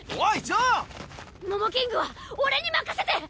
モモキングは俺に任せて！